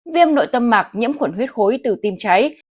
viêm nội tâm mạc nhiễm khuẩn huyết khối từ tim cháy